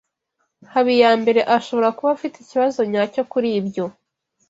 Habiyambere ashobora kuba afite ikibazo nyacyo kuri ibyo.